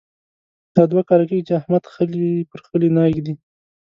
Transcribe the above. دا دوه کاله کېږې چې احمد خلی پر خلي نه اېږدي.